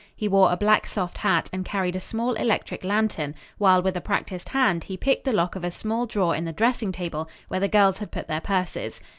He wore a black soft hat and carried a small electric lantern, while, with a practised hand, he picked the lock of a small drawer in the dressing table where the girls had put their purses.